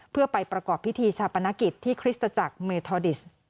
เพื่อไปประกอบพิธีชาปนกิจที่คริสตจักรเมทอดิส